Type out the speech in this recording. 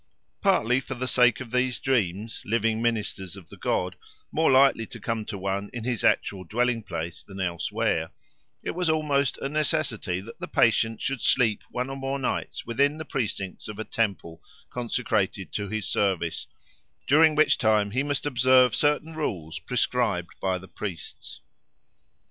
Partly for the sake of these dreams, living ministers of the god, more likely to come to one in his actual dwelling place than elsewhere, it was almost a necessity that the patient should sleep one or more nights within the precincts of a temple consecrated to his service, during which time he must observe certain rules prescribed by the priests.